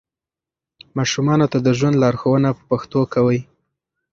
ماشومانو ته د ژوند لارښوونه په پښتو کوئ.